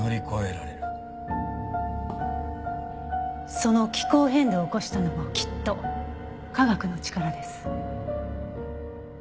その気候変動を起こしたのもきっと科学の力です。